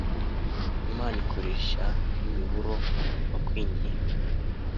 Imana ikoresha imiburo no kwinginga